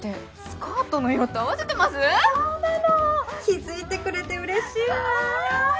気付いてくれてうれしいわ。